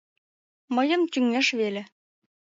Мыйын тӱҥеш веле.